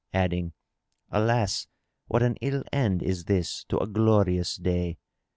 adding, "Alas, what an ill end is this to a glorious day!"